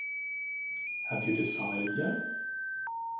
Have you decided, yet?